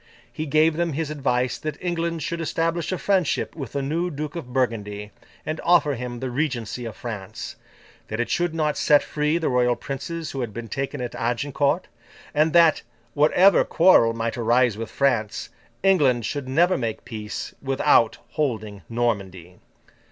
He gave them his advice that England should establish a friendship with the new Duke of Burgundy, and offer him the regency of France; that it should not set free the royal princes who had been taken at Agincourt; and that, whatever quarrel might arise with France, England should never make peace without holding Normandy.